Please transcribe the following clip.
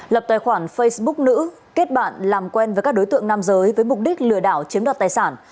lập tài khoản facebook nữ kết bạn làm quen với các đối tượng nam giới với mục đích lừa đảo chiếm đoạt tài sản